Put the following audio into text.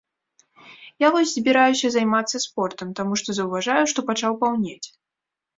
Я вось збіраюся займацца спортам, таму што заўважаю, што пачаў паўнець.